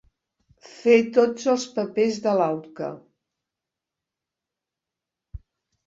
Fer tots els papers de l'auca.